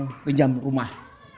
saya masih mau pinjam rumah